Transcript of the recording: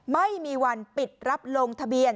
ไม่มีวันปิดรับลงทะเบียน